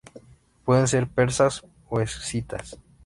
Pueden ser persas o escitas.